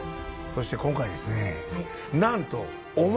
そして今回ですねなんと。